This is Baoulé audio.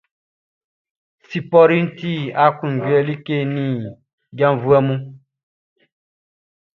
Spɔriʼn ti aklunjuɛ like nin janvuɛ mun.